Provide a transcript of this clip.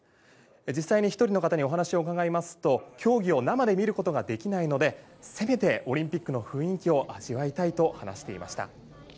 実際に１人の方にお話を伺いますと競技を生で見ることができないのでせめてオリンピックの雰囲気を味わいたいと話していました。